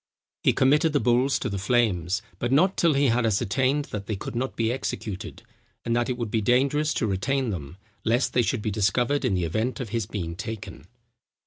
He committed the bulls to the flames, but not till he had ascertained that they could not be executed, and that it would be dangerous to retain them, lest they should be discovered in the event of his being taken.